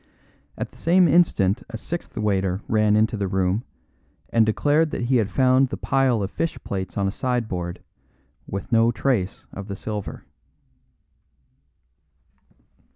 At the same instant a sixth waiter ran into the room, and declared that he had found the pile of fish plates on a sideboard, with no trace of the silver.